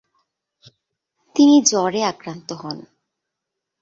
তিনি জ্বরে আক্রান্ত হন।